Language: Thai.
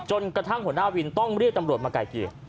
จนกระทั่งหัวหน้าวินต้องเรียกตำรวจมาไกลกี่